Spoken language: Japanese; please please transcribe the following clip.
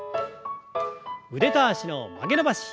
腕と脚の曲げ伸ばし。